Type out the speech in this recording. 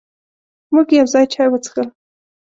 مونږ یو ځای چای وڅښل.